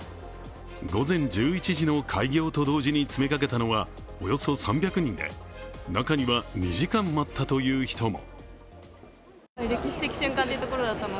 午前１１時の開業と同時に詰めかけたのはおよそ３００人で、中には２時間待ったという人も。